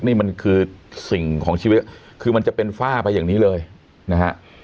นี่มันคือสิ่งของชีวิตคือมันจะเป็นฝ้าไปอย่างนี้เลยนะฮะ